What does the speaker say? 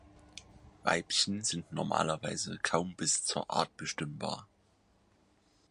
Weibchen sind normalerweise kaum bis zur Art bestimmbar.